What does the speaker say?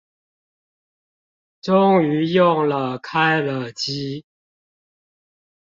終於用了開了機